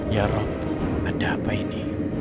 ya roh ada apa ini